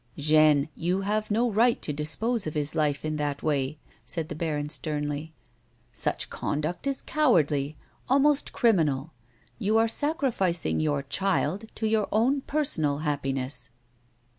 " Jeanne, you have no right to dispose of his life in that way," said the baron, sternly. " Such conduct is cowardly — almost criminal. You are sacrificing your child to your own personal happiness."